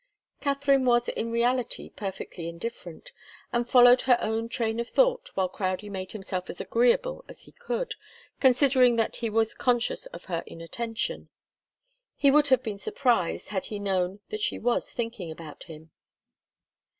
Katharine was in reality perfectly indifferent, and followed her own train of thought while Crowdie made himself as agreeable as he could, considering that he was conscious of her inattention. He would have been surprised had he known that she was thinking about him.